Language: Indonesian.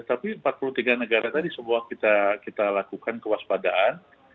tapi empat puluh tiga negara tadi semua kita lakukan kewaspadaan